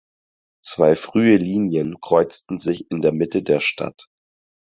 Zwei frühe Linien kreuzten sich in der Mitte der Stadt.